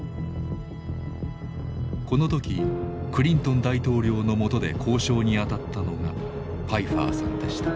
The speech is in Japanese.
この時クリントン大統領のもとで交渉にあたったのがパイファーさんでした。